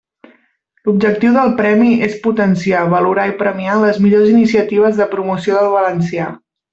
L'objectiu del premi és potenciar, valorar i premiar les millors iniciatives de promoció del valencià.